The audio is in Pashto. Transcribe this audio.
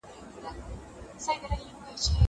زه اوږده وخت کتابونه ليکم!